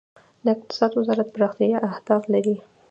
د اقتصاد وزارت پرمختیايي اهداف لري؟